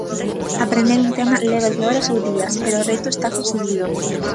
Aprender un tema lévalle horas ou días, pero o reto está conseguido.